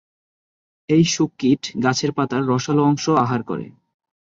এই শূককীট গাছের পাতার রসালো অংশ আহার করে।